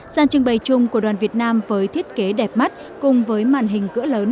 gian trưng bày chung của đoàn việt nam với thiết kế đẹp mắt cùng với màn hình cửa lớn